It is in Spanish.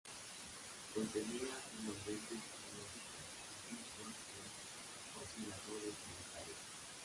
Contenía envolventes analógicas y filtros con osciladores digitales.